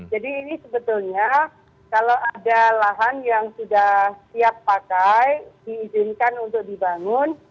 jadi ini sebetulnya kalau ada lahan yang sudah siap pakai diizinkan untuk dibangun